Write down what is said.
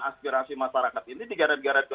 aspirasi masyarakat ini digeret geret ke